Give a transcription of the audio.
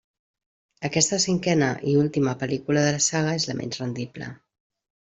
Aquesta cinquena i última pel·lícula de la saga és la menys rendible.